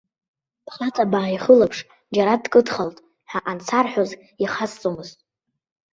Бхаҵа бааихылаԥш, џьара дкыдхалт ҳәа ансарҳәоз ихасҵомызт.